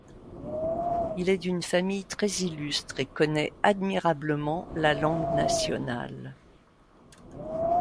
Il est d'une famille très illustre et connaît admirablement la langue nationale.